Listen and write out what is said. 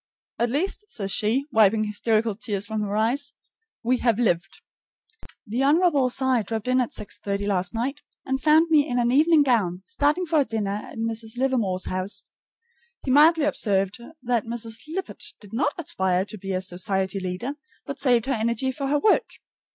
"At least," says she, wiping hysterical tears from her eyes, "we have lived!" The Hon. Cy dropped in at 6:30 last night, and found me in an evening gown, starting for a dinner at Mrs. Livermore's house. He mildly observed that Mrs. Lippett did not aspire to be a society leader, but saved her energy for her work.